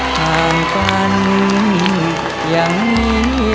ห่างกันอย่างนี้